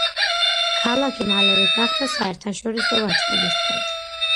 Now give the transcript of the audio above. ქალაქი მალევე გახდა საერთაშორისო ვაჭრობის ცენტრი.